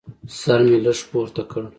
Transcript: سر مې لږ پورته کړ.